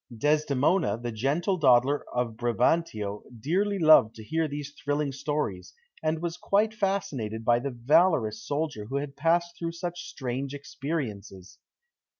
Desdemona, the gentle daughter of Brabantio, dearly loved to hear these thrilling stories, and was quite fascinated by the valorous soldier who had passed through such strange experiences.